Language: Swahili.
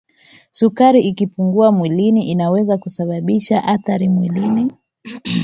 sukari ikipungua mwilini inaweza kusababisha athiri mwilini